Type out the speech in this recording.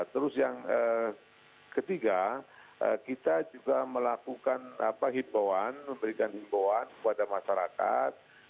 terus yang ketiga kita juga melakukan himbauan memberikan himbauan kepada masyarakat